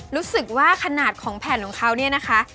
รู้สึกว่าขนาดของแผ่นของเขาเนี่ยนะคะ